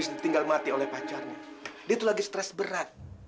karena abis tinggal mati oleh pacarnya dia tuh lagi stres berat